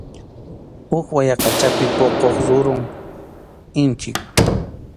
Huk wayaqachapi puquq rurum inchik.